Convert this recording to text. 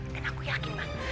dan aku yakin ma